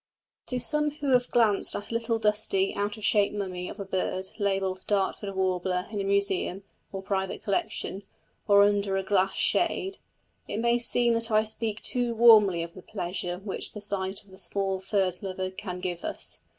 To some who have glanced at a little dusty, out of shape mummy of a bird, labelled "Dartford Warbler," in a museum, or private collection, or under a glass shade, it may seem that I speak too warmly of the pleasure which the sight of the small furze lover can give us.